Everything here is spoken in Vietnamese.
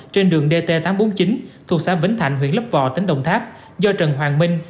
trên đường dt tám trăm bốn mươi chín thuộc xã vĩnh thạnh huyện lấp vò tỉnh đồng tháp do trần hoàng minh